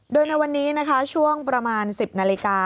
โดยในวันนี้นะคะช่วงประมาณ๑๐นาฬิกา